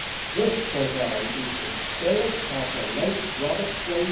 This, says I, is the sperrit of the late Robert J.